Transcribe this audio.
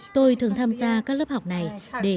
tôi thường tham gia các lớp học này để học cách trồng rau và cây